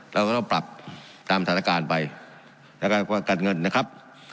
เราก็ต้องปรับตามสถานการณ์ไปแล้วก็การเงินนะครับ